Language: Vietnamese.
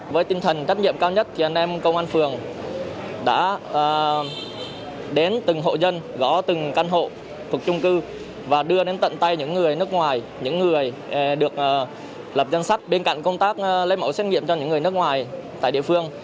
với tinh thần trách nhiệm cao nhất thì anh em công an phường đã đến từng hộ dân gõ từng căn hộ thuộc trung cư và đưa đến tận tay những người nước ngoài những người được lập danh sách bên cạnh công tác lấy mẫu xét nghiệm cho những người nước ngoài tại địa phương